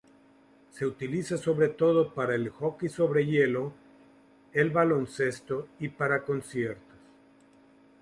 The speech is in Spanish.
Se utiliza sobre todo para el hockey sobre hielo, el baloncesto y para conciertos.